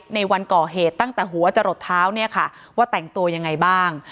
ในวันก่อเหตุตั้งแต่หัวจะหลดเท้าเนี่ยค่ะว่าแต่งตัวยังไงบ้าง